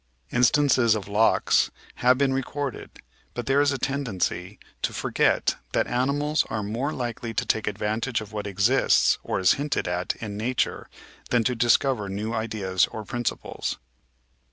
Instances of "locks" have been recorded, but there is a tendency to forget that animals are more likely to take advantage of what exists or is hinted at in Nature than to discover new ideas or principles